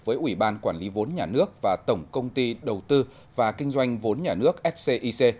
với ủy ban quản lý vốn nhà nước và tổng công ty đầu tư và kinh doanh vốn nhà nước scic